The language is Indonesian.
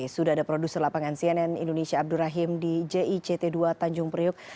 sudah ada produser lapangan cnn indonesia abdur rahim di jict dua tanjung priuk